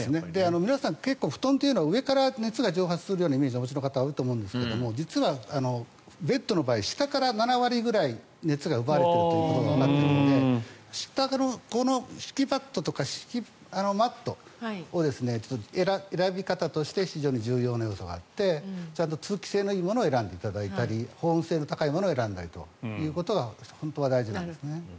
皆さん、布団というのは上から熱が蒸発するイメージをお持ちの方がいると思うんですがベッドの場合は下から７割ぐらい熱を奪われているということがわかっているのでこの敷きパッドとかマットを選び方として非常に重要な要素があってちゃんと通気性のよいものを選んでいただいたり保温性の高いものを選んだりということが本当は大事なんですね。